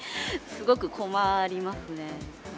すごく困りますね。